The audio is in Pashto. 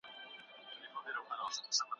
که استاد نه وي نو محصل لار ورکوي.